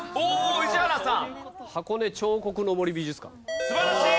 宇治原さん